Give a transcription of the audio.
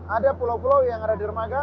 ada pulau pulau yang ada di dermaga